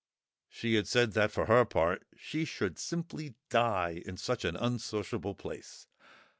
She had said that, for her part, she should simply die in such an unsociable place.